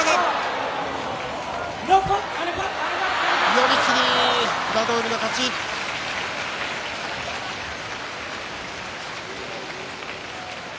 寄り切り平戸海の勝ちです。